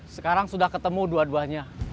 sekarang sudah ketemu dua duanya